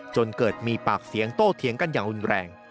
จนเกิดมีปากเสียงโต้เถียงกันอย่างรุนแรง